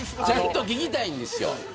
ちゃんと聞きたいんです。